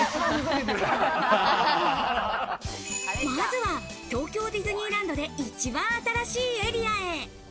まずは東京ディズニーランドで一番新しいエリアへ。